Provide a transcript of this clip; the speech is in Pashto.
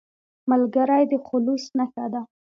ملګری د خلوص نښه ده